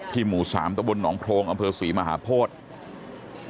หมู่๓ตะบลหนองโพรงอำเภอศรีมหาโพธิ